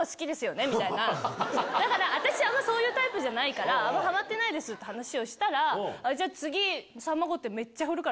私そういうタイプじゃないからハマってないって話をしたら「じゃあ次」。